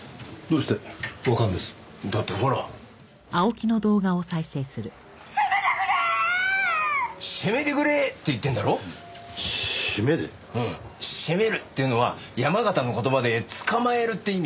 「しぇめる」っていうのは山形の言葉で「捕まえる」って意味。